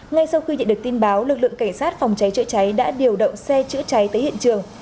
ngay sau khi nhận được tin báo lực lượng cảnh sát phòng cháy chữa cháy đã điều động xe chữa cháy tới hiện trường